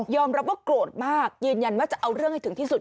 รับว่าโกรธมากยืนยันว่าจะเอาเรื่องให้ถึงที่สุด